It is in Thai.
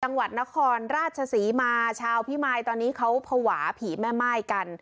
จังหวัดนครราชศรีมาชาวพิมายตอนนี้เขาภาวะผีแม่ม่ายกัน